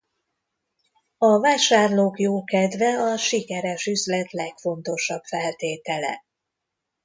A vásárlók jókedve a sikeres üzlet legfontosabb feltétele.